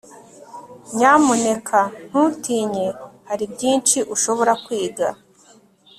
nyamuneka ntutinye, hari byinshi ushobora kwiga